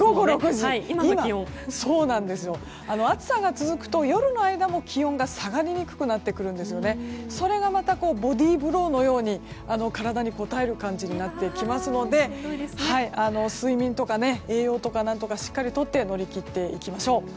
暑さが続くと夜の間も気温が下がりにくくなってきてそれがまたボディーブローのように体にこたえる感じになってきますので睡眠とか栄養とかしっかり取って乗り切っていきましょう。